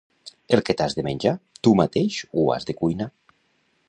El que t'has de menjar, tu mateix ho has de cuinar.